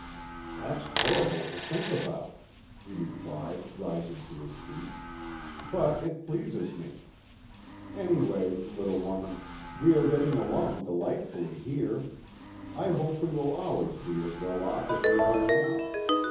"That's horrible to think about," he replied, rising to his feet; "but it pleases me. Anyway, little woman, we get along delightfully here; I hope we will always be as well off as we are now.